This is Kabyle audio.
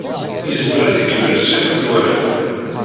Yezmer ad ikemmel Si Ḥmed Waɛli?